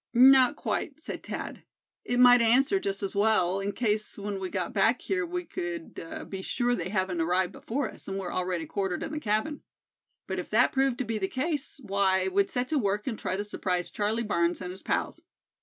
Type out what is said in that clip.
"Not quite," said Thad. "It might answer just as well, in case when we got back here we could be sure they hadn't arrived before us, and were already quartered in the cabin. But if that proved to be the case, why, we'd set to work and try to surprise Charlie Barnes and his pals.